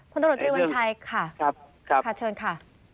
คุณตรวจตรีวันชัยค่ะขอเชิญค่ะ